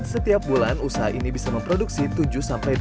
setiap bulan usaha ini bisa memproduksi tujuh dua belas ton kerupuk patin